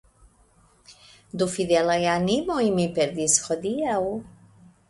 Du fidelaj animoj mi perdis hodiaŭ.